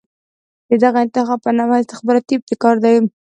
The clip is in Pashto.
د دغه انتخاب په نوښت استخباراتي ابتکار دی.